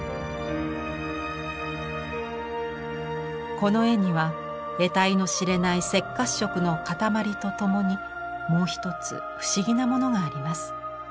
この絵には得体の知れない赤褐色の塊とともにもう一つ不思議なものがあります。